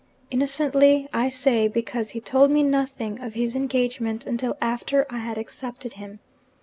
Innocently, I say because he told me nothing of his engagement until after I had accepted him.